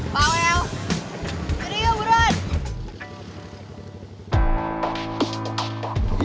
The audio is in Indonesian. biar dia pulang